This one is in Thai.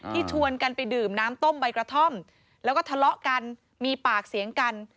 ชวนกันไปดื่มน้ำต้มใบกระท่อมแล้วก็ทะเลาะกันมีปากเสียงกัน